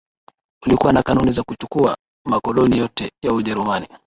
ulikuwa na kanuni za kuchukua makoloni yote ya Ujerumani